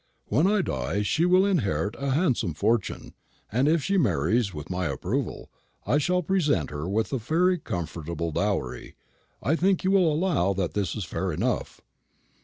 When I die she will inherit a handsome fortune. And if she marries with my approval, I shall present her with a very comfortable dowry. I think you will allow that this is fair enough."